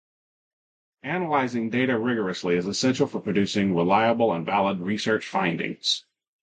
Analyzing data rigorously is essential for producing reliable and valid research findings.